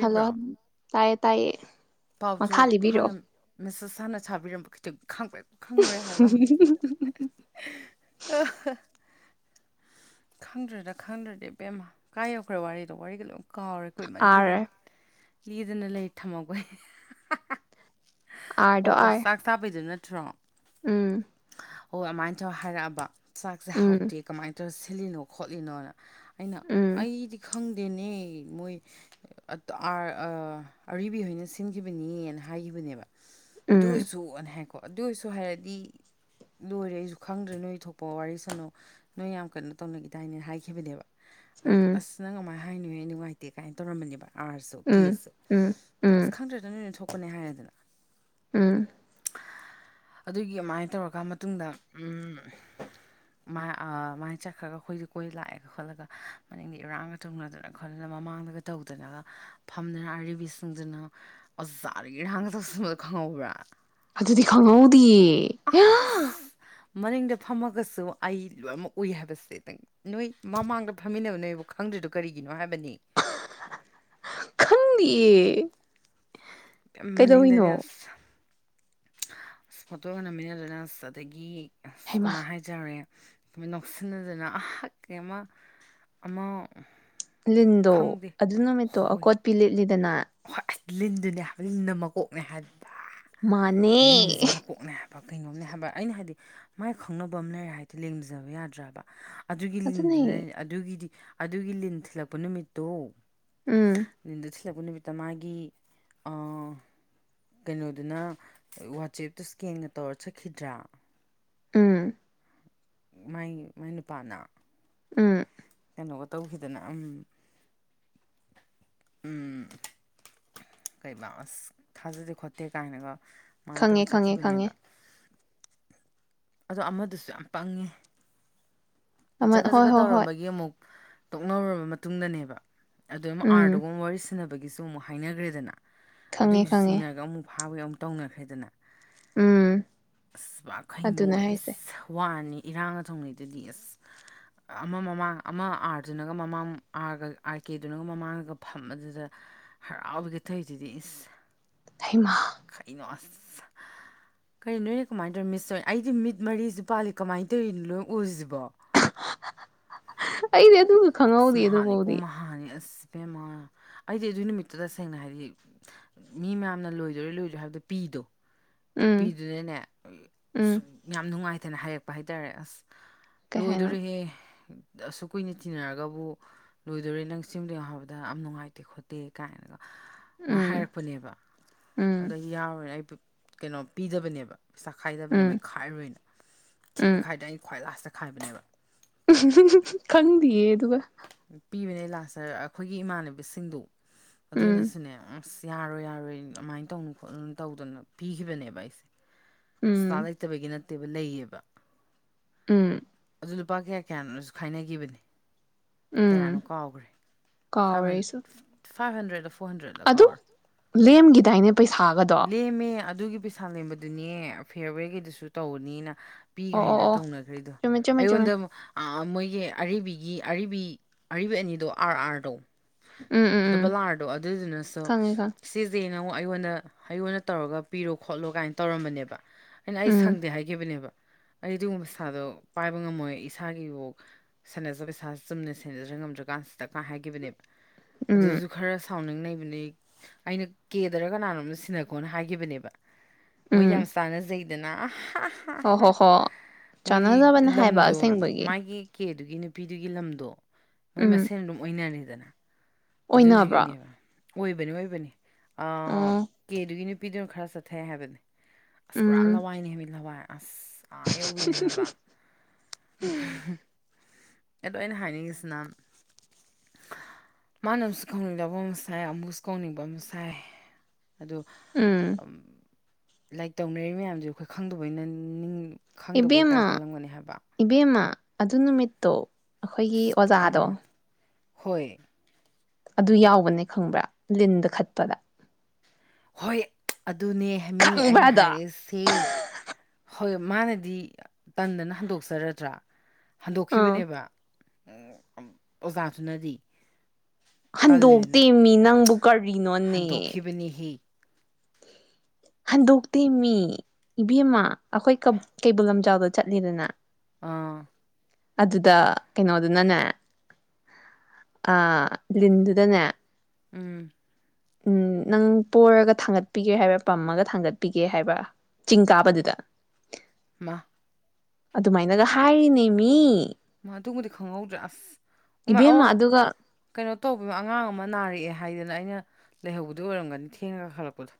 hello ꯇꯥꯏꯌꯦ ꯇꯥꯏꯌꯦ ꯄꯥꯎꯁꯨ ꯃꯈꯥ ꯍꯥꯟꯅ ꯂꯤꯕꯤꯔꯛꯑꯣ ꯃꯦꯁꯦꯁ ꯍꯥꯟꯅ ꯊꯥꯕꯤꯔꯝꯕ ꯀꯩꯗꯧ ꯈꯪꯄ꯭ꯔꯦꯛꯈꯪꯉꯨꯔꯦ ꯍꯥꯏꯕ ꯈꯪꯗ꯭ꯔꯦꯗ ꯈꯪꯗ꯭ꯔꯦꯗ ꯏꯕꯦꯝꯃ ꯀꯥꯏ ꯌꯧꯈ꯭ꯔꯦ ꯋꯥꯔꯤꯗꯣ ꯋꯥꯔꯤꯒꯂꯣꯏ ꯀꯥꯎꯔꯦ ꯑꯥꯔ ꯀꯣꯏꯃꯟꯈꯤꯗꯅ ꯂꯤꯗꯅ ꯂꯩ ꯊꯝꯍꯧꯕꯩ ꯍꯤꯍꯥꯍꯥ ꯑꯥꯔꯗꯣ ꯑꯣ ꯑꯣ ꯑꯥꯔ ꯆꯥꯛ ꯊꯥꯕꯩꯗꯨ ꯅꯠ ꯇ꯭ꯔꯣ ꯎꯝ ꯍꯣꯏ ꯑꯃꯥꯏꯅ ꯇꯧ ꯍꯥꯏꯔꯛꯑꯕ ꯆꯥꯛꯁꯦ ꯎꯝ ꯍꯥꯎꯇꯦ ꯀꯃꯥꯏꯅ ꯇꯧꯁꯤ ꯊꯤꯜꯂꯤꯅꯣ ꯈꯣꯠꯂꯤꯅꯣꯅ ꯑꯩꯅ ꯎꯝ ꯑꯩꯗꯤ ꯈꯪ ꯗꯦꯅꯦ ꯃꯣꯏ ꯇ ꯑꯥꯔ ꯑ ꯑꯔꯤꯕꯤ ꯍꯣꯏꯅ ꯁꯤꯟꯈꯤꯕꯅꯤꯅ ꯍꯥꯏꯈꯤꯕꯅꯦꯕ ꯑꯗꯨ ꯎꯝ ꯑꫭꯏꯁꯨ ꯑꯅ ꯍꯥꯏꯀꫭ ꯀꯣ ꯑꯗꯨ ꯑꯣꯏꯔꯁꯨ ꯍꯥꯏꯔꯗꯤ ꯂꯣꯏꯔꯦ ꯑꯩꯁꯨ ꯈꯪꯗ꯭ꯔꯦ ꯅꯣꯏ ꯊꯣꯛꯄ ꯋꯥꯔꯤ ꯁꯥꯅꯨ ꯅꯣꯏ ꯌꯥꯝ ꯀꯩꯅꫭ ꯇꯧꯅꯒꯤꯗꯥꯏꯅꯦ ꯍꯥꯏꯈꯤꯕꯅꯦꯕ ꯎꯝ ꯑꯗ ꯑꯁ ꯅꯪ ꯑꯃꯥꯏ ꯍꯥꯏꯅꯨꯍꯦ ꯅꯨꯡꯉꯥꯏꯇꯦ ꯀꯥꯏꯅ ꯇꯧꯔꯝꯕꯅꯦꯕ ꯑꯥꯔꯁꯨ ꯎꯝ ꯀꯦꯁꯨ ꯎꯝ ꯑꯁ ꯎꯝ ꯈꯪꯗ꯭ꯔꯦꯗ ꯅꯣꯏ ꯅꫭꯏꯅ ꯊꯣꯛ ꯄꯅꯦ ꯍꯥꯏꯔꯦꯗꯅ ꯎꯝ ꯑꯗꯨꯒꯤ ꯑꯃꯥꯏꯅ ꯇꯧꯔꯀꯥꯟ ꯃꯇꯨꯡꯗ ꯎꯝ ꯃꯥꯏ ꯑ ꯃꯥꯏ ꯆꯠꯈ꯭ꯔꯒ ꯑꯩꯈꯣꯏꯗ ꯈꫭꯏꯁꯤ ꯂꯥꯛꯑꯒ ꯈꯣꯠꯂꯒ ꯃꯅꯤꯡꯗ ꯏꯔꯥꯡꯒ ꯇꯧꯅꯗꯅ ꯈꯣꯠꯂꯅ ꯃꯃꯥꯡꯗꯒ ꯇꯧꯗꯅꯒ ꯐꯝꯗꯅ ꯑꯔꯤꯕꯤꯁꯤꯡꯗꯨꯅ ꯑꯣꯖꯥꯗ ꯏꯔꯥꯡꯒ ꯇꯧꯁꯤꯟꯕꯗꯣ ꯈꯪꯍꯧꯕ꯭ꯔꯥ ꯑꯗꯨꯗꯤ ꯈꯪꯍꯧꯗꯤꯌꯦ ꯑꯦ ꯌꯥ ꯃꯅꯤꯡꯗ ꯐꯝꯃꯒꯁꯨ ꯑꯩ ꯂꯣꯏꯃꯛ ꯎꯏ ꯍꯥꯏꯕꯁꯦ ꯅꯪ ꯅꯣꯏ ꯃꯃꯥꯡꯗ ꯐꯝꯃꯤꯟꯅꯕ ꯅꯣꯏꯕꯧ ꯈꯪꯗ꯭ꯔꯤꯗꫭ ꯀꯔꯤꯒꯤꯅꯣ ꯍꯥꯏꯕꯅꯦ ꯈꯪꯗꯤꯌꯦ [unintelligible] ꯀꯩꯗꯧꯔꯤꯅꯣ ꯃꯅꯤꯡꯗꯗꯤ ꯑꯁ ꯑꯁ ꯐꯣꯇꯣꯒ ꯅꯝꯃꯤꯟꯅꯗꯅ ꯑꯁ ꯑꯗꯒꯤ ꯑꯁ ꯍꯩꯃ ꯀꯃꯥꯏꯅ ꯍꯥꯏꯖꯥꯔꯦ ꯀꯃꯥꯏ ꯅꫭꯛꯁꯤꯟꯅꯗꯅ ꯑꯍꯥꯀꯥꯏ ꯑꯃ ꯑꯃ ꯂꯤꯟꯗꯣ ꯈꯪꯗꯦ ꯑꯗꯨ ꯅꯨꯃꯤꯠꯇꯣ ꯍꯣꯏ ꯑꯀꯣꯠꯄꯤ ꯂꯤꯠꯂꯤꯗꯅ ꯍꯣꯏ ꯑꯁ ꯂꯤꯟꯗꯨꯅꯦ ꯍꯥꯏꯕ ꯂꯤꯟꯅ ꯃꯀꯣꯛꯅꯦ ꯍꯥꯏꯕ ꯃꯥꯅꯦ ꯑꯍ ꯄꯨꯔꯥ ꯀꯩꯅꯣꯝꯅꯦ ꯍꯥꯏꯕ ꯑꯩꯅ ꯍꯥꯏꯗꯤ ꯃꯥꯏ ꯈꯪꯅꯕ ꯑꯃ ꯂꯩꯔꯦ ꯍꯥꯏꯗꯤ ꯂꯦꯡꯖꯕ ꯌꯥꯗ꯭ꯔꯥꯕ ꯑꯗꯨꯒꯤ ꯑꯗꯨꯅꯦ ꯂꯤꯟꯗꯨꯅꯦ ꯑꯗꯨꯒꯤꯗꯤ ꯑꯗꯨꯒꯤ ꯂꯤꯟ ꯊꯤꯜꯂꯛꯄ ꯅꯨꯃꯤꯠꯇꯣ ꯎꯝ ꯆꯅ ꯇ ꯃꯥꯒꯤ ꯀꯩꯅꯣꯗꯨꯅ ꯋꯥꯆꯦꯞꯇ ꯁ꯭ꯀꯦꯟꯒ ꯇꯧꯔ ꯆꯠꯈꯤꯗ꯭ꯔꯥ ꯎꯝ ꯃꯥꯏ ꯃꯥꯏ ꯅꯨꯄꯥꯅ ꯎꯝ ꯀꯩꯅꯣꯒ ꯇꯧꯈꯤꯗꯅ ꯑꯝ ꯎ ꯀꯩ ꯑꯁ ꯊꯥꯖꯗꯦ ꯈꯣꯠꯇꯦ ꯀꯥꯏꯅꯒ ꯁꯨꯃꯥꯏꯅ ꯈꯪꯉꯦ ꯇꯧꯔ ꯈꯪꯉꯦ ꯈꯪꯉꯦ ꯆꯠꯈꯤꯕꯅꯦꯕ ꯑꯗꯣ ꯑꯃꯗꯨꯁꯨ ꯌꯥꯝ ꯄꯪꯉꯤ ꯑꯃ ꯆꯀ ꯍꯣꯏ ꯒꯠ ꯍꯣꯏ ꯍꯣꯏ ꯇꯧꯔꯝꯕꯒꯤ ꯑꯃꯨꯛ ꯇꯣꯛꯅꯔꯨꯔꯕ ꯃꯇꯨꯡ ꯇꯨꯡꯗꯅꯦꯕ ꯑꯗꯨꯝ ꯎꯝ ꯑꯥꯔꯗꯨꯒꯨꯝ ꯋꯥꯔꯤ ꯁꯤꯟꯅꯕ ꯒꯤꯁꯨ ꯑꯃꯨꯛ ꯍꯥꯏꯅꯈ꯭ꯔꯦꯗꯅ ꯈꯪꯉꯦ ꯑꯗꯨꯒꯤꯁꯨ ꯈꯪꯉꯦ ꯆꯤꯡꯅꯔꯒ ꯑꯃꯨꯛ ꯐ ꯐꯥꯕꯩ ꯑꯃ ꯇꯧꯅꯈ꯭ꯔꯦꯗꯅ ꯎꯝ ꯑꯗꯨꯅꯦ ꯑꯁꯈꯩꯅꯣꯏ ꯍꯥꯏꯁꯦ ꯋꯥꯅꯤ ꯏꯔꯥꯡꯅ ꯊ ꯊꯣꯛꯡꯂꯩꯗꯨꯗꯤ ꯑꯁ ꯑꯃ ꯃꯃꯥꯡ ꯑꯃ ꯑꯥꯔꯗꯨꯅꯒ ꯃꯃꯥꯡ ꯑꯥꯒ ꯑꯥꯔ ꯀꯦꯗꯨꯅꯒ ꯃꯃꯥꯡꯒ ꯐ ꯑꯗꯨꯗ ꯍꯔꯥꯎꯕꯒꯤ ꯊꯧꯏꯗꯨꯗꯤ ꯏꯁ ꯑꯩꯃ ꯀꯩꯅꯣ ꯑꯁ ꯀꯔꯤ ꯅꯣꯏꯅꯦ ꯀꯃꯥꯏꯅ ꯇꯧꯔꯤꯣ ꯃꯤꯁ ꯇꯧ ꯑꯩꯗꯤ ꯃꯤꯠ ꯃꯔꯤꯁꯤ ꯄꯥꯜꯂꯤ ꯀꯃꯥꯏꯅ ꯇꯧꯔꯤꯅꯣ ꯂꯣꯏ ꯎꯁꯤꯕꯣ ꯑꯩꯗ ꯑꯁ ꯃꯍꯍꯥꯅꯤ ꯀꯣ ꯃꯍꯍꯥꯅꯤ ꯑꯁ ꯦꯝꯃ ꯑꯩꯗꯤ ꯑꯗꯨꯏ ꯅꯨꯃꯤꯠꯇꯨ ꯇꯁꯦꯡꯅ ꯍꯥꯏꯗꯤ ꯃꯤ ꯃꯌꯥꯝꯅ ꯂꯣꯏꯗꯣꯏꯔꯣꯏ ꯂꯣꯏꯗꯣꯏꯔꯣꯏ ꯍꯥꯏꯕꯗꯣ ꯄꯤꯗꯣ ꯎꯝ ꯄꯤꯗꯨꯅꯅꯦ ꯎꯝ ꯌꯥꯝ ꯅꯨꯡꯉꯥꯏꯇꯦ ꯐꯅ ꯍꯥꯏꯔꯛꯄ ꯍꯥꯏꯇꯥꯔꯦ ꯑꯁ ꯀꯩ ꯍꯥꯏꯅꯣ ꯂꯣꯏꯗꯣꯔꯍꯦ ꯑꯁꯨ ꯀꯨꯏꯅ ꯇꯤꯟꯅꯔꯒꯕꯨ ꯂꯣꯏꯗꯣꯔꯦ ꯅꯪ ꯁꯤꯨꯝꯗꯣꯏꯅꯣ ꯍꯥꯏꯕꯗ ꯌꯥꯝ ꯅꯨꯡꯉꯥꯏꯇꯦ ꯈꯣꯠꯇꯦ ꯀꯥꯏꯅꯒ ꯃꯥ ꯎꯝ ꯍꯥꯏꯔꯛꯄꯅꯦꯕ ꯎꯝ ꯑꯗꯨꯗ ꯑꯩ ꯌꯥꯎꯔꯦ ꯑꯩ ꯀꯩꯅꯣ ꯄꯤꯗꯕꯅꯦꯕ ꯄꯩ ꯆꯥꯈꯥꯏꯗꯕꯅꯦ ꯎꯝ ꯃꯩ ꯈꯥꯏꯔꯨꯣꯏꯅ ꯎꯝ ꯊꯦꯡꯅ ꯈꯥꯏꯗꯅ ꯑꯩꯩꯅ ꯈ꯭ꯋꯥꯏ ꯂꯥꯁ ꯆꯦ ꯈꯥꯏꯕꯅꯦꯕ ꯈꯪꯗꯤꯌꯦ ꯑꯗꯨꯒ ꯄꯤꯕꯅꯦ ꯂꯥꯁꯇ ꯑꯩꯈꯣꯏꯒꯤ ꯏꯃꯥꯟꯅꯕꯤꯁꯤꯡꯗꯨ ꯎꯝ ꯑꯗꯨꯅꯁꯤꯅ ꯑꯁ ꯌꯥꯔꯣꯏ ꯌꯥꯔꯣꯏ ꯑꯗꯨꯃꯥꯏꯅ ꯇꯧꯅꯨ ꯈꯣꯠꯅꯨ ꯇꯧꯗꯅ ꯄꯤꯈꯤꯕꯅꯦꯕ ꯑꯩꯁꯦ ꯎꯝ ꯆꯅ ꯏꯇꯕꯒꯤꯅ ꯇꯦꯕꯜ ꯂꯩꯌꯦꯕ ꯎꯝ ꯑꯗꯨ ꯂꯨꯄꯥ ꯀꯌꯥ ꯀꯌꯥꯅꯁꯨ ꯈꯥꯏꯅꯈꯤꯕꯅꯤ ꯎꯝ ꯀꯌꯥꯅꯣ ꯀꯥꯎꯈ꯭ꯔꯦ ꯀꯥꯎꯔꯦ ꯐꯥꯏꯚꯟ ꯑꯩꯁꯨ ꯐꯥꯏꯚ ꯍꯟꯗꯦꯗꯐ ꯐꯣꯔ ꯍꯟꯗ꯭ꯔꯦꯠꯂ ꯀꯧꯔ ꯇꯥꯏꯩꯅ ꯄꯩꯁꯥꯒꯗꯣ ꯑꯗꯨꯒꯤ ꯄꯩꯁꯥ ꯂꯦꯝꯕꯗꯨꯅꯦ ꯐꯤꯌꯔꯋꯦꯒꯤꯩꯗꯨꯁꯨ ꯇꯧꯕꯅꯤꯅ ꯑꯣ ꯄꯤꯈ꯭ꯔꯦꯅ ꯑꯣ ꯇꯧꯅꯈ꯭ꯔꯦꯗꯣ ꯆꯨꯝꯃꯦ ꯆꯨꯝꯃꯦ ꯆꯨꯝꯃꯦ ꯑꯩꯉꯣꯟꯗꯛ ꯃꯣꯏꯒꯤ ꯑꯔꯤꯕꯤꯒꯤ ꯑꯔꯤꯕꯤ ꯑꯔꯤꯕ ꯑꯅꯤꯗꯣ ꯑꯥꯔ ꯑꯥꯔꯗꯣ ꯎꯝ ꯎꯝ ꯎꯝ ꯗꯕꯂꯥꯔꯗꯣ ꯑꯗꯨꯗꯨꯅꯁꯨ ꯈꯪꯉꯦ ꯈꯪꯉꯦ ꯁꯤꯁꯦ ꯑꯩꯉꯣꯟꯗ ꯍꯉꯣꯟꯗ ꯇꯧꯔꯒ ꯄꯤꯔꯣ ꯈꯣꯠꯂꯣ ꯀꯥꯏꯅ ꯇꯧꯔꯝꯕꯅꯦꯕ ꯑꯩꯅ ꯑꯩ ꯎꯝ ꯁꯪꯗꯦ ꯍꯥꯏꯈꯤꯕꯅꯦꯕ ꯑꯩ ꯑꯗꯨꯒꯨꯝꯕ ꯄꯩꯁꯥꯗꯣ ꯄꯥꯏꯕ ꯉꯝꯃꯣꯏ ꯏꯁꯥꯒꯤꯐꯥꯎ ꯁꯥꯟꯅꯖꯕ ꯄꯩꯁꯥꯁꯤ ꯆꯨꯝꯅ ꯁꯦꯟꯅꯖ꯭ꯔ ꯉꯝꯗ꯭ꯔꯀꯥꯟꯁꯤꯗ ꯀꯥꯏ ꯍꯥꯏꯒꯤꯈꯤꯕꯅꯦꯕ ꯎꯝ ꯑꯗꯨꯁꯨ ꯈꯔ ꯕꯅꯦ ꯑꯩꯅ ꯀꯦꯗꯔ ꯀꯅꯥꯅꯣꯝ ꯁꯤꯅꯀꯣꯅ ꯍꯥꯏꯈꯤꯕꯅꯦꯕ ꯃꯣꯏ ꯎꯝ ꯌꯥꯝ ꯁꯅ ꯑꯗꯨꯅ ꯍꯣ ꯍꯣ ꯍꯣ ꯃꯣꯏꯗꯤ ꯆꯥꯟꯅꯖꯕꯅꯦ ꯍꯥꯏꯕ ꯂꯝꯗꯣ ꯑꯁꯦꯡꯕꯒꯤ ꯃꯥꯒꯤ ꯀꯀꯦ ꯑꯗꯨꯒꯤ ꯅꯨꯄꯤꯗꯨꯒꯤ ꯂꯝꯗꯣ ꯃꯣꯏ ꯎꯝ ꯃꯁꯦꯟ ꯑꯗꯨꯝ ꯑꯣꯏꯅꯔꯤꯁ ꯑꯗꯨꯗꯅ ꯍꯧꯖꯤꯛ ꯑꯣꯏꯅꯕ꯭ꯔꯣ ꯖꯤꯕꯤꯅꯦꯕ ꯑꯣꯏꯕꯅꯤ ꯑꯣꯏꯕꯅꯤ ꯑ ꯑꯣ ꯀꯦꯗꯨꯒꯅꯤ ꯄꯤꯗꯣꯏꯅꯣ ꯈꯔ ꯆꯠꯊꯩ ꯍꯥꯏꯕꯅꯦ ꯑꯁ ꯄꯨꯔꯥ ꯎꯝ ꯂꯋꯥꯏꯅꯦ ꯍꯥꯏꯕꯤ ꯂꯋꯥꯏ ꯑꯁ ꯑꯥ ꯌꯧꯕꯤꯅꯦ ꯍꯥꯏꯕ inaudible ꯑꯗꯣ ꯑꯩꯅ ꯍꯥꯏꯅꯤꯡꯉꯤꯁꯤꯅ ꯃꯥꯅ ꯑꯃꯁꯨ ꯀꯥꯎꯅꯤꯡꯗꯕ ꯑꯃ ꯁꯥꯏ ꯑꯃꯨꯁꯨ ꯀꯥꯎꯅꯤꯡꯕ ꯑꯃ ꯁꯥꯏ ꯑꯗꯣ ꯎꯝ ꯂꯥꯏꯔꯤꯛ ꯇꯧꯅꯔꯤꯕ ꯃꯌꯥꯝꯁꯦ ꯑꯩꯈꯣꯏ ꯈꯪꯗꯕꯩꯅ ꯈꯪꯗꯕꯣꯏ ꯏꯕꯦꯝꯃ ꯀꯥꯏꯅ ꯈꯜꯂꯝꯒꯅꯤ ꯍꯥꯏꯕ ꯏꯕꯦꯝꯃ ꯑꯗꯨ ꯅꯨꯃꯤꯠꯇꯣ ꯑꯩꯈꯣꯏꯒꯤ ꯑꯁ ꯄꯨꯔꯥ ꯑꯣꯖꯥꯗꯣ ꯃꯥꯟ ꯍꯣꯏ ꯑꯗꯨ ꯌꯥꯎꯕꯅꯦ ꯈꯪꯕ꯭ꯔꯥ ꯂꯤꯟꯗ ꯈꯠꯄꯗ ꯍꯣꯏ ꯑꯗꯨꯅꯦ ꯍꯥꯃꯤ ꯑꯩꯅ ꯈꯪꯕ꯭ꯔꯥꯗꯣ ꯍꯥꯏꯔꯛꯏꯁꯤ ꯍꯣꯏ ꯃꯥꯅꯗꯤ ꯇꯟꯗꯅ ꯍꯟꯗꯣꯛꯆꯔꯗ꯭ꯔꯥ ꯑꯥ ꯍꯟꯗꯣꯛꯈꯤꯕꯅꯦꯕ ꯑꯣꯖꯥꯊꯅꯗꯤ ꯍꯟꯗꯣꯛꯇꯦꯝꯃꯤ ꯅꯪꯕꯨ ꯀꯅꯣꯅꯦ ꯍꯟꯗꯣꯛꯈꯤꯕꯅꯤꯍꯦ ꯍꯟꯗꯣꯛꯇꯦ ꯃꯤ ꯏꯕꯦꯝꯃ ꯑꯩꯈꯣꯏ ꯀꯩꯕꯨꯜ ꯂꯝꯖꯥꯎꯗ ꯆꯠꯂꯤꯗꯅ ꯑꯥ ꯑꯗꯨꯗ ꯀꯩꯅꯣꯗꯨꯅꯅꯦ ꯂꯤꯟꯗꯨꯗꯅꯦ ꯎꯝ ꯎꯝ ꯅꯪ ꯄꯣꯔꯒ ꯊꯥꯡꯒꯠꯄꯤꯒꯦ ꯍꯥꯏꯕ꯭ꯔꯥ ꯄꯝꯃꯒ ꯊꯥꯡꯒꯠꯄꯤꯒꯦ ꯍꯥꯏꯕꯥ ꯆꯤꯡ ꯀꯥꯕꯗꯨꯗ inaudible ꯑꯗꯨꯃꯥꯏꯅꯒ ꯍꯥꯏꯔꯤꯅꯦꯃꯤ ꯃꯥ ꯑꯗꯨꯕꯨꯗꯤ ꯈꯪꯍꯧꯗ꯭ꯔꯦ ꯑꯁ ꯏꯕꯦꯝꯃ ꯑꯗꯨꯒ ꯇꯧꯕꯤꯃ ꯑꯉꯥꯡ ꯑꯃ ꯅꯥꯔꯛꯑꯦ ꯍꯥꯏꯗꯅ ꯑꯩꯅ ꯂꯩꯍꯧꯕꯗꯤ ꯑꯣꯏꯔꯝꯒꯅꯤ ꯊꯦꯡꯉꯒ ꯈꯜꯂꯛꯄꯗꯣ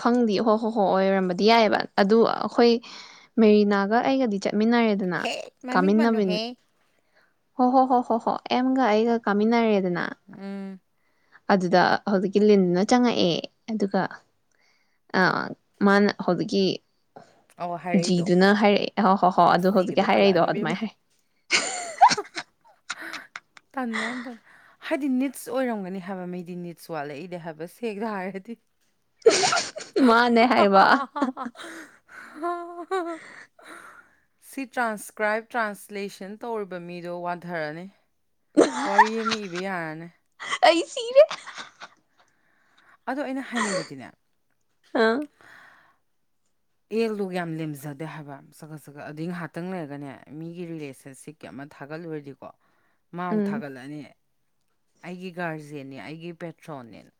ꯈꯪꯗꯤꯦ ꯍꯣ ꯍꯣ ꯍꯣꯏ ꯑꯣꯏꯔꯝꯕꯗꯤ ꯌꯥꯏꯑꯕ ꯑꯗꯨ ꯑꯩꯈꯣꯏ ꯃꯦꯔꯤꯅꯥꯒ ꯑꯩꯒꯗꯤ ꯆꯠ ꯆꯥꯃꯤꯟꯅꯔꯦꯗꯅ ꯍꯦ ꯃꯃꯤꯡ ꯄꯟꯅꯨꯍꯦ ꯀꯥꯃꯤꯟꯅꯕꯤꯅꯤ ꯍꯣ ꯍꯣ ꯍꯣ ꯍꯣ ꯍꯣ ꯑꯦꯝꯒ ꯑꯩꯒ ꯀꯃꯤꯤꯟꯥ ꯎꯝ ꯑꯗꯨꯗ ꯍꯧꯖꯤꯛꯀꯤ ꯂꯤꯟꯗꯨꯅ ꯆꯪꯉꯛꯑꯦ ꯑꯗꯨꯒ ꯃꯥꯅ ꯍꯧꯖꯤꯛꯀꯤ ꯑꯧ ꯍꯥꯏꯔꯛꯏꯗꯣ ꯖꯤꯗꯨꯅ ꯍꯥꯏꯔꯛꯑꯦ ꯍꯣ ꯍꯣꯏ ꯍꯣꯏ ꯑꯁ ꯑꯗꯨꯣ ꯖꯤꯒꯗꯣ ꯍꯧꯖꯤꯛꯀꯤ ꯍꯥꯏꯔꯛꯏꯗꯣ ꯄꯜꯂꯛꯑꯅꯨ ꯏꯕꯦꯝꯃ ꯑꯗꯨꯃꯥꯏꯅ ꯍꯥꯏ ꯇꯟ ꯃꯌꯥꯝ ꯇ ꯍꯥꯏꯗꯤ ꯅꯤꯠꯁ ꯑꯣꯏꯔꯝꯒꯅꯤ ꯍꯥꯏꯕ ꯃꯤꯩꯗꯤ ꯅꯤꯠꯁ ꯋꯥꯠꯂꯛꯏꯅꯦ ꯍꯥꯏꯕ ꯁꯦꯡꯅ ꯍꯥꯏꯔꯗꯤ ꯃꯥꯅꯦ ꯍꯥꯏꯕ ꯍ [unintelligible] [unintelligible] ꯁꯤ ꯇ꯭ꯔꯥꯟꯁꯀ꯭ꯔꯥꯏꯞ ꯇ꯭ꯔꯥꯟꯁꯂꯦꯁꯟ ꯇꯧꯔꯤꯕ ꯃꯤꯗꯣ ꯋꯥꯟꯊꯔꯅꯤ ꯋꯥꯔꯤꯌꯦꯃꯤ ꯏꯕ ꯌꯥꯅ ꯑꯩ ꯁꯤꯔꯦ ꯑꯗꯣ ꯑꯩꯅ ꯍꯥꯏꯅꯤꯡꯕꯗꯤꯅꯦ ꯑꯥ ꯑꯦꯗꯣ ꯌꯥꯝ ꯂꯦꯝꯖꯗꯦ ꯍꯥꯏꯕ ꯁꯈꯠ ꯁꯈꯠ ꯑꯗꯨꯏ ꯉꯥꯏꯍꯥꯛꯇꯪ ꯂꯩꯔꯒꯅꯦ ꯃꯤꯒꯤ ꯔꯤꯂꯦꯁꯟꯁꯤꯞꯀꯤ ꯑꯃ ꯊꯥꯒꯠꯂꯨꯔꯗꯤꯀꯣ ꯃꯥꯥꯡ ꯎꯝ ꯊꯥꯒꯠꯂꯛꯑꯅꯤ ꯑꯩꯒꯤ ꯒꯥꯔꯖꯤꯟꯅꯦ ꯑꯩꯒꯤ ꯄꯦꯇ꯭ꯔꯣꯟꯅꯦꯅ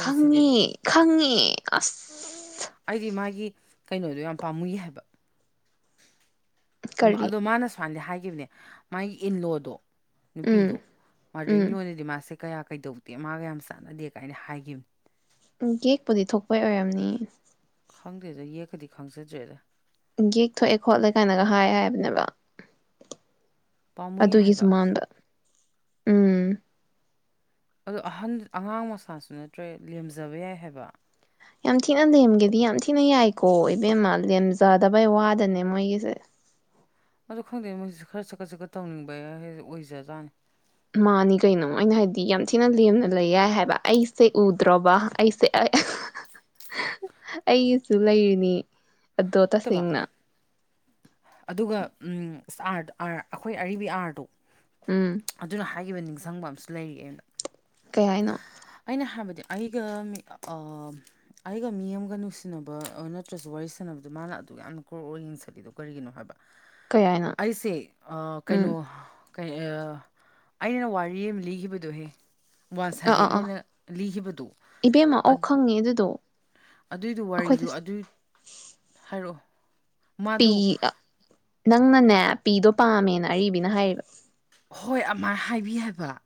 ꯈꯪꯉꯦ ꯈꯪꯉꯦ ꯑꯁ ꯑꯩꯗꯤ ꯃꯥꯒꯤ ꯀꯩꯅꯣꯗꯣ ꯌꯥꯝ ꯄꯥꯝꯃꯨꯏ ꯍꯥꯏꯕ ꯀꯔꯤ ꯑꯗꯣ ꯃꯥꯅ ꯁ꯭ꯋꯥꯅꯗꯤ ꯍꯥꯏꯒ ꯈꯤꯕꯅꯦ ꯃꯥꯒꯤ ꯏꯂꯣꯗꯣ ꯎꯝ ꯅꯨꯄꯤꯗꯣ ꯎꯝ ꯃꯥꯗꯔꯤꯉꯣꯟꯗꯗꯤ ꯃꯥꯁꯦ ꯀꯌꯥ ꯀꯩꯗꯧꯗꯦ ꯃꯥꯒ ꯌꯥꯝ ꯆꯥꯟꯅꯗꯦ ꯀꯥꯏꯅ ꯍꯥꯏꯈꯤꯕꯅꯤ ꯎꯝ ꯀꯦꯛꯄꯨꯗꯤ ꯊꯣꯛꯄꯩ ꯑꯣꯏꯔꯝꯅꯤ ꯈꯪꯗꯦꯗ ꯌꯦꯛꯀꯗꯤ ꯈꯪꯖꯗ꯭ꯔꯦꯗ ꯌꯦꯛꯊꯣꯛꯑꯦ ꯈꯣꯠꯂꯦ ꯀꯥꯏꯅꯒ ꯍꯥꯏ ꯍꯥꯏꯕꯅꯦꯕ ꯄꯥꯝꯃꯨꯏ ꯑꯗꯨꯒꯤ ꯍꯥꯏꯕ ꯖꯨꯃꯥꯡꯗ ꯎꯝ ꯑꯗ ꯑꯍꯟ ꯑꯉꯥꯡ ꯃꯁꯥꯁꯨ ꯅꯠꯇ꯭ꯔꯦ ꯂꯦꯝꯖꯕ ꯌꯥꯏ ꯍꯥꯏꯕ ꯌꯥꯝ ꯊꯤꯅ ꯂꯦꯝꯒꯦꯗꯤ ꯌꯥꯝ ꯊꯤꯅ ꯌꯥꯏꯀꯣ ꯏꯕꯦꯝꯃ ꯂꯦꯝꯖꯗꯕꯩ ꯋꯥꯗꯅꯦ ꯃꯣꯏꯒꯤꯁꯦ ꯑ ꯈꯪꯗꯦ ꯃꯣꯏꯁꯤꯁꯨ ꯈꯔ ꯆꯀꯠ ꯆꯠꯀꯠ ꯇꯧꯅꯤꯡꯕ ꯑꯣꯏꯖꯖꯥꯅꯤ ꯃꯥꯅꯤ ꯀꯩꯅꯣ ꯑꯩꯅ ꯍꯥꯏꯕꯗꯤ ꯌꯥꯝ ꯊꯤꯅ ꯂꯦꯝꯅ ꯂꯩ ꯌꯥꯏ ꯍꯥꯏꯕ ꯑꯩꯁꯦ ꯎꯗ꯭ꯔꯣꯕ ꯑꯩꯁꯦ ꯑꯩꯒꯤꯁꯨ ꯂꯩꯔꯤꯅꯤ ꯅꯠꯇꯕ ꯑꯗꯣꯇꯁꯤꯡꯅ ꯑꯗꯨꯒ ꯑꯥ ꯑꯩꯈꯣꯏ ꯑꯔꯤꯕ ꯑꯥꯔꯗꯣ ꯎꯝ ꯑꯗꯨꯅ ꯍꯥꯏ ꯑꯈꯤꯕ ꯅꯤꯡꯁꯤꯡꯕ ꯑꯃꯁꯝꯨ ꯂꯩꯔꯤ ꯑꯩꯣꯟꯗ ꯀꯩ ꯍꯥꯏꯅꯣ ꯑꯩꯒ ꯑꯩꯒ ꯃꯤ ꯑꯃꯒ ꯅꯨꯡꯁꯤꯅꯕ ꯅꯠꯇ꯭ꯔꯁꯨ ꯋꯥꯔꯤ ꯁꯥꯟꯅꯕꯗꯣ ꯃꯥꯅ ꯑꯗꯨꯛ ꯌꯥꯝꯅ ꯀ꯭ꯔꯣꯛ ꯑꯣꯏ ꯌꯦꯡꯖꯕꯤꯗꯣ ꯀꯔꯤꯒꯤꯅꯣ ꯍꯥꯏꯕ ꯀꯩ ꯍꯥꯏꯅꯣ ꯑꯩꯁꯦ ꯎꯝ ꯀꯩꯅꯣ ꯑꯩꯅ ꯋꯥꯔꯤ ꯑꯃ ꯂꯤꯈꯤꯕꯗꯨꯣꯍꯦ ꯋꯥꯟ ꯑꯥ ꯑꯥ ꯁꯥꯏꯗꯦꯠ ꯑꯥ ꯑꯩꯅ ꯂꯤꯈꯤꯕꯗꯣ ꯏꯕꯦꯝꯃ ꯑꯧ ꯑꯗꯨ ꯈꯪꯉꯦ ꯑꯗꯨꯗꯣ ꯑꯗꯨꯏꯗꯨ ꯑꯩꯈꯣꯏꯗ ꯋꯥꯔꯤꯗꯨ ꯑꯗꯨꯏ ꯍꯥꯏꯔꯛꯑꯣ ꯄꯤ ꯃꯗꯨ ꯅꯪꯅꯅꯦ ꯄꯤꯗꯣ ꯄꯥꯝꯃꯦꯅ ꯑꯔꯤꯕꯅ ꯍꯥꯏꯔꯤꯕ ꯍꯣꯏ ꯑꯃꯥꯏ ꯍꯥꯏꯕꯤ ꯍꯥꯏꯕ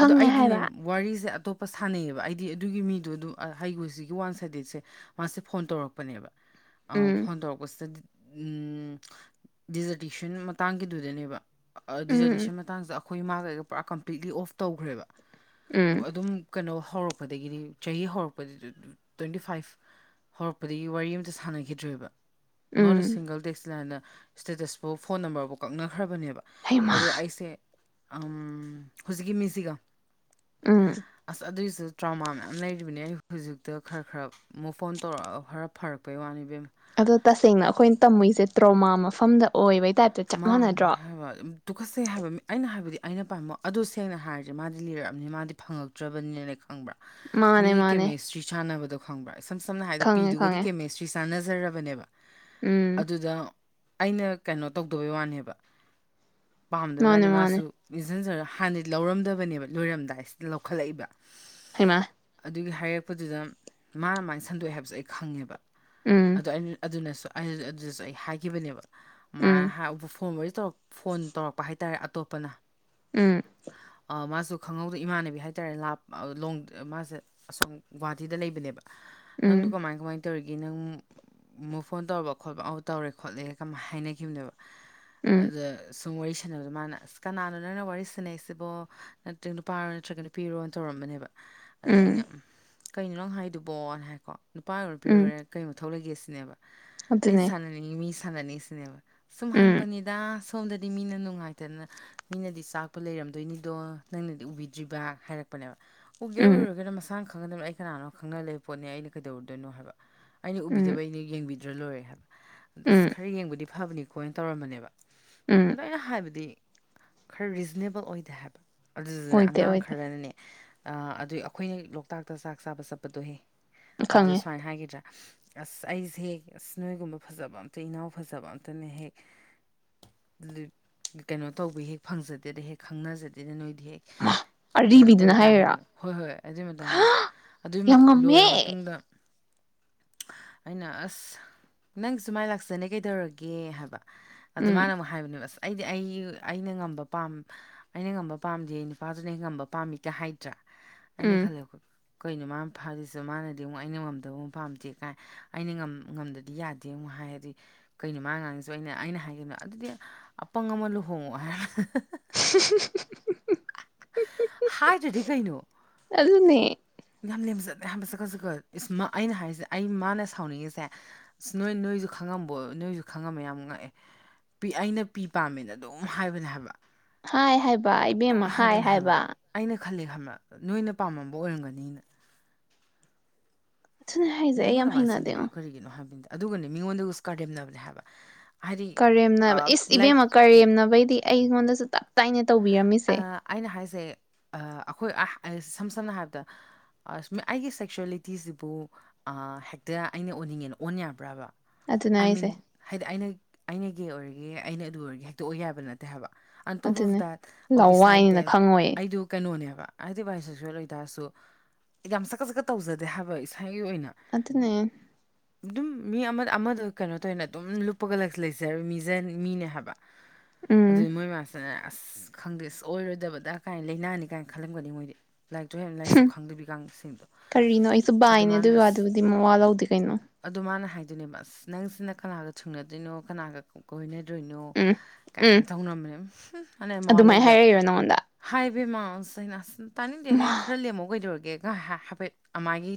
ꯑꯗꯣ ꯑꯩꯗꯤꯅꯦ ꯍꯥꯏꯕ ꯋꯥꯔꯤꯁꯦ ꯑꯇꯣꯞꯄ ꯀꯄ ꯁꯥꯟꯅꯩꯑꯌꯦꯕ ꯑꯩꯗꯤ ꯑꯗꯨꯒꯤ ꯃꯤꯗꯣ ꯑꯗꯨ ꯍꯩꯈꯣꯁꯤꯒꯤ ꯋꯥꯟ ꯁꯥꯏꯗꯦꯠꯁꯦ ꯃꯥꯁꯦ ꯐꯣꯟ ꯇꯧꯔꯛꯄꯅꯦꯕ ꯑ ꯎꯝ ꯐꯣꯟ ꯇꯧꯔꯛꯄꯁꯤꯗ ꯎꯝ ꯗꯤꯖꯔꯇꯦꯁꯟ ꯃꯇꯥꯡꯒꯤꯗꯨꯗꯅꯦꯕ ꯑ ꯎꯝ ꯎꯝ ꯑꯗꯨꯗꯤꯁꯗꯤꯁ ꯑꯉꯥꯡꯁꯗ ꯑꯩꯈꯣꯏ ꯃꯥꯥꯒ ꯄꯨꯔꯥ ꯀꯝꯄ꯭ꯂꯤꯠꯂꯤ ꯑꯣꯐ ꯇꯧꯈ꯭ꯔꯦꯕ ꯎꯝ ꯑꯗꯨꯝ ꯀꯩꯅꯣ ꯍꯧꯔꯛꯄꯗꯒꯤꯗꯤ ꯆꯍꯤ ꯍꯧꯔꯛꯄꯗꯒꯤ ꯇ꯭ꯋꯦꯟꯇꯤ ꯐꯥꯏꯚ ꯍꯧꯔꯛꯄꯗꯒꯤ ꯋꯥꯔꯤ ꯑꯃꯝꯇ ꯁꯥꯟꯅꯈꯤꯗ꯭ꯔꯦꯕ ꯎꯝ ꯅꯣꯔꯠ ꯏꯁ ꯁꯤꯡꯒꯜ ꯗꯦꯁ ꯂꯦꯟ ꯏꯁꯇꯦꯇꯁꯄꯨ ꯐꯣꯟ ꯅꯝꯕꯔꯕꯨꯥꯎ ꯀꯛꯅꯈ꯭ꯔꯕꯅꯦꯕ ꯍꯩꯃꯥ ꯑꯗꯨ ꯑ ꯁꯤ ꯎꯝ ꯍꯧꯖꯤꯛꯀꯤ ꯃꯤꯁꯤꯒ ꯎꯝ ꯑꯁ ꯑꯗꯨꯏꯁꯨ ꯇ꯭ꯔꯃꯥ ꯃꯌꯥꯝ ꯂꯩꯔꯤꯕꯅꯦ ꯑꯩ ꯍꯧꯖꯤꯛꯇ ꯈꯔ ꯈꯔ ꯑꯃꯨꯛ ꯐꯣꯟ ꯇꯧꯔꯛ ꯈꯔ ꯐꯔꯛꯄꯩ ꯋꯥꯅꯤꯕꯦꯝ ꯑꯗꯣ ꯇꯁꯦꯡꯅ ꯑꯩꯈꯣꯏꯅ ꯇꯝꯃꯨꯏꯁꯦ ꯇ꯭ꯔꯣꯃꯥ ꯃꯐꯝꯗ ꯑꯣꯏꯕꯩ ꯇꯥꯏꯞꯇ ꯆꯞ ꯃꯥꯅꯦ ꯃꯥꯟꯅꯗ꯭ꯔꯣ ꯍꯥꯏꯕ ꯇꯨꯈꯠꯁꯦ ꯍꯥꯏꯕ ꯃꯤ ꯑꯩꯅ ꯍꯥꯏꯕꯗꯤ ꯑꯩꯅ ꯄꯥꯝꯃꯣ ꯑꯗꯨ ꯁꯦꯡꯅ ꯍꯥꯏꯔꯤꯁꯦ ꯃꯥꯗꯤ ꯂꯤꯔꯛꯑꯕꯅꯤ ꯃꯥꯗꯤ ꯐꯪꯉꯛꯇ꯭ꯔꯕꯅꯤꯅ ꯈꯪꯕ꯭ꯔꯥ ꯃꯤ ꯃꯥꯅꯦ ꯃꯥꯅꯦ ꯀꯦꯃꯦꯁꯇ꯭ꯔꯤ ꯁꯥꯟꯕ ꯈꯪꯕ ꯁꯝ ꯁꯝꯅ ꯍꯥꯏꯗ ꯈꯪꯉꯦ ꯄꯤꯗꯨꯒꯗꯤ ꯈꯪꯉꯦ ꯀꯦꯃꯦꯁꯇ꯭ꯔꯤꯁꯦ ꯆꯥꯟꯅꯖꯔꯕꯅꯦꯕ ꯎꯝ ꯑꯗꯨꯗ ꯑꯩꯅ ꯀꯩꯅꯣ ꯇꯧꯗꯕꯩ ꯋꯥꯅꯦꯕ ꯄꯥꯝꯗꯕ ꯃꯥꯅꯦ ꯃꯥꯅꯤ ꯃꯥꯅꯦ ꯃꯥꯁꯨ ꯏꯟꯁꯤꯟꯖꯔꯒ ꯍꯥꯟꯅꯗꯤ ꯂꯧꯔꯝꯗꯕꯅꯦꯕ ꯂꯣꯏꯔꯝꯗꯥꯏꯁꯤꯗ ꯂꯧꯈꯠꯂꯛꯏꯕ ꯍꯦꯃ ꯑꯗꯨꯒꯤ ꯍꯥꯏꯔꯛꯄꯗꯨꯗ ꯃꯥꯅ ꯃꯥꯅ ꯁꯟꯗꯣꯛꯑꯦ ꯍꯥꯏꯕꯁꯨꯦ ꯑꯩ ꯈꯪꯉꯦꯕ ꯑ ꯎꯝ ꯑꯗꯨꯅꯁꯨ ꯑꯗꯨꯗꯁꯨ ꯑꯩ ꯍꯥꯏꯈꯤꯕꯅꯦꯕ ꯃꯥ ꯎꯝ ꯎ ꯐꯣꯡ ꯑꯣꯏ ꯐꯣꯟ ꯇꯧꯔꯛꯄ ꯍꯥꯏꯇꯥꯔꯦ ꯑꯇꯣꯞꯄꯅ ꯎꯝ ꯑ ꯃꯥꯁꯨ ꯈꯪꯍꯧꯗ ꯏꯃꯥꯟꯅꯕꯤ ꯍꯥꯏꯇꯥꯔꯦ ꯂꯥꯞ ꯂꯣꯡ ꯃꯥꯁꯦ ꯑꯁꯣꯝ ꯒꯨꯍꯥꯇꯤꯗ ꯂꯩꯕꯅꯦꯕ ꯅꯪꯗꯨ ꯎꯝ ꯀꯃꯥꯏ ꯀꯃꯥꯏꯅ ꯇ ꯇꯧꯔꯤꯒꯦ ꯅꯪ ꯃꯨꯐ ꯑꯣꯟ ꯇꯧꯕ ꯈꯣꯠꯄ ꯑꯥꯎ ꯇꯧꯔꯦ ꯈꯣꯠꯂꯦ ꯀꯃꯥꯏ ꯍꯥꯏꯅꯒꯦ ꯌꯅ ꯎꯝ ꯑ ꯁꯨꯝ ꯋꯥꯔꯤ ꯁꯥꯟꯅꯕꯗꯣ ꯃꯥꯅ ꯑꯁ ꯀꯅꯥꯅꯣ ꯅꯪꯅ ꯋꯥꯔꯤ ꯁꯥꯟꯅꯩꯁꯤꯕꯣ ꯅꯠꯇ꯭ꯔ ꯅꯨꯄꯥꯔꯣ ꯅꯠꯇ꯭ꯔꯒ ꯅꯨꯄꯤꯔꯣꯅ ꯇꯧꯔꯝꯕꯅꯦꯕ ꯑꯗ ꯑꯩꯅ ꯎꯝ ꯀꯩꯅꯣ ꯅꯪ ꯍꯥꯏꯗꯨꯕꯣꯅ ꯍꯥꯏꯀꯣ ꯅꯨꯄꯥ ꯑꯣꯏ ꯄꯤ ꯎꯝ ꯑꯣꯏꯔꯦ ꯀꯩ ꯃꯇ ꯊꯣꯛꯂꯛꯒꯦꯁꯤꯅꯦꯕ ꯑꯩ ꯑꯗꯨꯅꯦ ꯁꯅꯅꯤ ꯃꯤ ꯁꯪꯅ ꯁꯤꯅꯦꯕ ꯁꯨꯝ ꯎꯝ ꯍꯪꯕꯅꯤꯗ ꯁꯣꯝꯗꯗꯤ ꯃꯤꯅ ꯅꯨꯡꯉꯥꯏꯇꯅ ꯃꯤꯅꯗꯤ ꯆꯥꯛꯇ ꯂꯩꯔꯝꯗꯣꯏꯅꯤꯗꯣ ꯅꯪꯅꯗꯤ ꯎꯕꯤꯗ꯭ꯔꯤꯕ ꯍꯥꯏꯔꯛꯄꯅꯦꯕ ꯎꯒꯦ ꯎꯝ ꯎꯔꯒꯦꯅ ꯃꯁꯥꯡ ꯈ ꯈꯪꯅꯗꯕꯅ ꯑꯩ ꯀꯅꯥꯅꯣ ꯈꯪꯅ ꯂꯩꯕ ꯄꯣꯠꯅꯦ ꯑꯩꯅ ꯀꯩꯗꯧꯔꯗꯣꯏꯣ ꯍꯥꯏꯕ ꯑꯩꯅ ꯎꯕꯤꯗꯕ ꯎꯝ ꯑꯩꯅ ꯌꯦꯡꯕꯤꯗ ꯂꯣꯏꯔꯦ ꯍꯥꯏ ꯑꯗ ꯎꯝ ꯈꯔ ꯌꯦꯡꯕꯨꯗꯤ ꯐꯕꯅꯤ ꯈꯣꯅ ꯇꯧꯔꯝꯕꯅꯦꯕ ꯑꯗꯣ ꯎꯝ ꯑꯩꯅ ꯍꯥꯏꯕꯗꯤ ꯈꯔ ꯔꯤꯖꯅꯦꯕꯜ ꯑꯣꯏꯗꯦ ꯍꯥꯏꯕ ꯑꯗꯨꯗꯨꯅꯦ ꯑꯣꯏꯗꯦ ꯑꯉꯥꯡ ꯑꯣꯏꯗꯦ ꯈꯔꯅꯅꯦ ꯑ ꯑꯗꯨ ꯑꯩꯈꯣꯏꯅ ꯂꯣꯛꯇꯥꯛꯇ ꯆꯥꯛ ꯆꯥꯕ ꯆꯠꯄꯗꯣꯍꯦ ꯑꯗꯨ ꯈꯪꯉꯦ ꯁꯨꯃꯥꯏꯅ ꯍꯥꯏꯒꯗ꯭ꯔꯥ ꯑꯁ ꯑꯩꯁꯦ ꯑꯁ ꯅꯣꯏꯒꯨꯝꯕ ꯐꯖꯕ ꯑꯝꯇ ꯏꯅꯥꯎ ꯐꯖꯕ ꯑꯝꯇ ꯑꯗꯨꯅ ꯍꯦꯛ ꯀꯩꯅꯣ ꯇꯧꯕ ꯍꯦꯛ ꯐꯪꯖꯗꯦꯗ ꯍꯦꯛ ꯈꯪꯅꯖꯗꯦꯗ ꯅꯣꯏ ꯍꯦꯛ ꯃꯥ ꯀꯩꯅꯣ ꯇꯧꯋꯤ ꯑꯔꯤꯕꯤꯗꯨꯅ ꯀꯥꯏ ꯍꯥꯏꯔꯤꯔꯣ ꯍꯥꯏꯕꯗꯣ ꯍꯣꯏ ꯍꯣꯏ ꯑꯗꯨꯏ ꯃꯇꯥꯡꯗ ꯑꯗꯨꯒꯤ ꯌꯥꯝ ꯉꯝꯃꯦ ꯂꯣꯏꯔ ꯃꯇꯨꯡꯗ ꯑꯩꯅ ꯑꯁ ꯅꯪ ꯁꯨ ꯃꯥꯏ ꯂꯥꯛꯆꯅꯤ ꯀꯩ ꯗꯧꯔꯒꯦ ꯀꯦ ꯍꯥꯏꯕ ꯑꯗꯨ ꯎꯝ ꯃꯥꯅ ꯑꯃꯨꯛ ꯍꯥꯏꯕꯅꯦ ꯁ ꯑꯩꯗꯤ ꯑꯩ ꯑꯩꯅ ꯉꯝꯕ ꯄꯥꯝ ꯑꯩꯅ ꯉꯝꯕ ꯄꯥꯝꯗꯤ ꯑꯩ ꯅꯨꯄꯥꯗꯨꯅ ꯍꯦꯛ ꯉꯝꯕ ꯄꯥꯝꯃꯤꯒ ꯍꯥꯏꯗ꯭ꯔꯥ ꯑꯅꯦ ꯎꯝ ꯈꯜꯦꯈꯣꯏ ꯀꯩꯅꯣ ꯃꯥꯅ ꯐꯔꯤꯁꯨ ꯃꯥꯅꯗꯤ ꯑꯃꯨꯛ ꯑꯩꯅ ꯉꯝꯗꯕ ꯑꯃꯨꯛ ꯄꯥꯝꯗꯦ ꯀꯥꯏ ꯑꯩꯅ ꯉꯝꯗꯗꯤ ꯌꯥꯗꯦ ꯑꯃꯨꯛ ꯍꯥꯏꯔꯗꯤ ꯀꯩꯩꯅꯣ ꯃꯥ ꯉꯥꯡꯉꯁꯨ ꯑꯩꯅ ꯑꯩꯅ ꯍꯥꯏꯈꯤꯕꯅ ꯑꯗꯨꯗꯤ ꯑꯄꯪ ꯑꯃ ꯂꯨꯍꯣꯡꯉꯑꯣ ꯍꯥꯏꯔ inaudible ꯍꯥꯏꯗꯗꯤ ꯀꯩꯅꯣ ꯑꯗꯨꯅꯦ ꯌꯥꯝ ꯂꯦꯝꯕ ꯆꯠꯂꯦ ꯍꯥꯏꯕ ꯆꯛꯀꯠ ꯆꯛꯀꯠ ꯏꯁ ꯑꯩꯅ ꯍꯥꯏꯔꯤꯁꯦ ꯑꯩ ꯃꯥꯅ ꯁꯥꯎꯅꯤꯡꯉꯤꯁꯦ ꯅꯣꯏ ꯅꯣꯏꯁꯨ ꯈꯪꯉꯝꯕꯣ ꯅꯣꯏꯁꯨ ꯈꯪꯉꯝꯃꯦ ꯌꯥꯝ ꯉꯛꯑꯦ ꯑꯩꯅ ꯄꯤ ꯄꯥꯝꯃꯦꯅ ꯑꯗꯨꯝ ꯍꯥꯏꯕꯅꯦ ꯍꯥꯏꯕ ꯍꯥꯏ ꯍꯥꯏꯕ ꯑꯗꯨꯝ ꯏꯕꯦꯝꯃ ꯍꯥꯏ ꯍꯥꯏꯕꯅꯦ ꯍꯥꯏꯕ ꯑꯩꯅ ꯈꯜꯂꯦ ꯅꯣꯏꯅꯥꯝꯃꯝꯕ ꯑꯣꯏꯔꯝꯒꯅꯤ ꯃꯤꯅꯤꯅ ꯑꯗꯨꯅꯦ ꯍꯥꯏꯁꯦ ꯑꯩ ꯃꯤꯉꯣꯟꯗ ꯌꯥꯝ ꯃꯥꯥꯏꯅ ꯍꯩꯅꯗꯦꯉꯣ ꯁꯟꯗꯣꯛꯏꯗꯨꯣ ꯀꯔꯤꯒꯤꯅꯣ ꯍꯥꯏꯕꯤꯟꯗ ꯑꯗꯨꯒꯅꯤ ꯃꯤꯉꯣꯟꯗꯒ ꯁꯀꯥꯔꯗꯦꯝꯅꯕꯅꯦ ꯍꯥꯏꯕ ꯍꯥꯏꯗꯤ ꯀꯔꯦꯝ ꯏꯁ ꯂꯥꯏꯛ ꯏꯕꯦꯝꯃ ꯀꯔꯦꯝꯅꯕꯩꯗꯤ ꯑꯩꯉꯣꯟꯗꯁꯨ ꯇꯞ ꯇꯥꯏꯅ ꯇꯧꯕꯤꯔꯝꯃꯤꯁꯦ ꯑꯩꯅ ꯍꯥꯏꯁꯦ ꯑꯩꯈꯣꯏ ꯁꯝ ꯁꯝꯅ ꯍꯥꯏꯔꯕꯗ ꯑꯩꯒꯤ ꯁꯦꯛꯆ꯭ꯋꯦꯂꯤꯇꯤꯁꯤꯕꯨ ꯍꯦꯛꯇ ꯑꯩꯅ ꯑꯣꯟꯅꯤꯡꯉꯦꯅ ꯑꯣꯟ ꯌꯥꯕ꯭ꯔꯕ ꯑꯗꯨꯅ ꯑꯥꯏ ꯃꯤꯟ ꯑꯩꯁꯦ ꯍꯥꯏꯗꯤ ꯑꯩꯅ ꯑꯩꯅ ꯑꯩ ꯀ ꯑꯣꯏꯔꯒꯦ ꯑꯩꯅ ꯑꯗꯨ ꯑꯣꯏꯔꯒ ꯍꯥꯏꯇꯣꯛꯑꯣ ꯌꯥꯕ ꯅꯠꯇꯦ ꯍꯥꯏꯕ ꯑ ꯇꯣꯞ ꯑꯣꯐ ꯑꯗꯨꯅꯦ ꯗꯦꯠ ꯑꯣ ꯕꯤꯁꯥꯏꯠ ꯂꯋꯥꯏꯅꯤꯅ ꯗꯦꯠ ꯈꯪꯉꯣꯏꯌꯦ ꯑꯩꯗꯨ ꯀꯩꯅꯣꯅꯦꯕ ꯍꯥꯏꯗꯤ ꯚꯥꯏ ꯁ ꯁꯣꯏꯗꯥꯔꯁꯨ ꯌꯥꯝ ꯁꯛꯀ ꯁꯛꯀ ꯇꯧꯖꯗꯦ ꯍꯥꯏꯕ ꯏꯁ ꯒꯤ ꯑꯣꯏꯅ ꯑꯗꯨꯅꯦ ꯑꯗꯨꯝ ꯃꯤ ꯑꯃ ꯑꯃꯗꯣ ꯀꯩꯅꯣ ꯇꯧꯅ ꯑꯗꯨꯝ ꯂꯨꯞꯄꯒ ꯂꯩꯖꯔꯣꯏ ꯃꯤꯁꯦ ꯃꯤꯅꯦ ꯍꯥꯏꯕ ꯎꯝ ꯑꯗꯨꯗꯤ ꯃꯣꯏꯕꯁ ꯑꯁ ꯈꯪꯗꯦ ꯑꯁ ꯑꯣꯏꯔꯣꯏꯗꯕꯗ ꯀꯥꯏꯅ ꯂꯥꯏꯅꯥꯅꯤ ꯀꯥꯏꯅ ꯈꯜꯂꯝꯒꯅꯤ ꯃꯣꯏꯗꯤ ꯂꯥꯏꯔꯤꯛꯇꯣ ꯍꯦꯟꯅ ꯂꯥꯏꯔꯤꯁꯨ ꯈꯪꯗꯕꯤ ꯀꯥꯡꯁꯤꯡꯗꯣ ꯀꯔꯤꯅꯣ ꯑꯩꯁꯨ ꯑꯗꯨ ꯕꯥꯏꯅꯦ ꯃꯥꯅ ꯑꯗꯨꯏ ꯑꯁ ꯋꯥꯗꯨꯕꯨꯗꯤ ꯃꯋꯥ ꯂꯧꯗꯦ ꯀꯩꯅꯣ ꯑꯗꯨ ꯃꯥꯅ ꯍꯥꯏ ꯑꯗꯨꯅꯦ ꯑꯁ ꯅꯪꯁꯤꯅ ꯀꯅꯥꯒ ꯊꯨꯡꯅꯗꯣꯏꯅꯣ ꯀꯅꯥꯒ ꯀꯣꯏꯅꯣ ꯑꯗꯨꯗꯣꯏꯅꯣ ꯎꯝ ꯎꯝ ꯀꯥꯏꯅ ꯇꯧꯅꯅꯕꯅꯦ ꯎꯝ ꯍꯥꯟꯩ ꯃꯣꯜ ꯑꯗꯨꯃꯥꯏꯅ ꯂꯧꯧꯗ ꯍꯥꯏꯔꯛꯏꯔꯣ ꯅꯪꯉꯣꯟꯗ ꯍꯥꯏꯕ ꯃꯥꯁ ꯑꯩꯅ ꯑꯁ ꯃꯥ ꯇꯥꯅꯤꯡꯗꯦꯍꯦꯛ ꯈꯔ ꯂꯦꯝꯃꯣ ꯀꯩꯗꯧꯔꯒꯦ ꯍꯥꯏꯐꯦꯠ ꯃꯥꯒꯤ